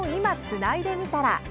つないでみたら」。